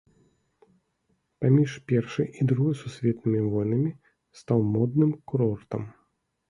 Паміж першай і другой сусветнымі войнамі стаў модным курортам.